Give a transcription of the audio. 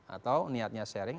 atau niatnya sharing